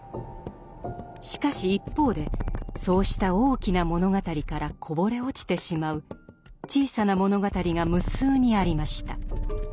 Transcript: しかし一方でそうした「大きな物語」からこぼれ落ちてしまう「小さな物語」が無数にありました。